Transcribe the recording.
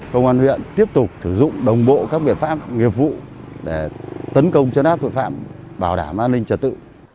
công an huyện tiếp tục sử dụng đồng bộ các biện pháp nghiệp vụ để tấn công chấn áp tội phạm bảo đảm an ninh trật tự